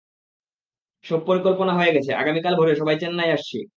সব পরিকল্পনা হয়ে গেছে, আগামীকাল ভোরে, সবাই চেন্নাই আসছি।